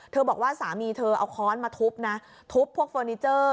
บอกว่าสามีเธอเอาค้อนมาทุบนะทุบพวกเฟอร์นิเจอร์